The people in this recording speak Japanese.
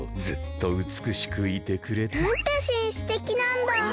ずっとうつくしくいてくれて。なんてしんしてきなんだ！